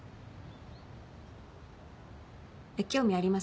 興味あります？